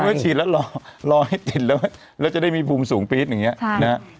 ก็เมื่อฉีดแล้วรอให้ติดแล้วจะได้มีภูมิสูงปี๊ดอย่างนี้นะครับ